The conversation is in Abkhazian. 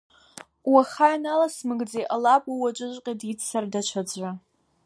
Уаха ианаласмыгӡа, иҟалап, уи уаҵәыҵәҟьа диццар даҽаӡәы.